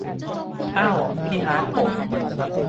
เอ้า พี่ฮาร์ทผม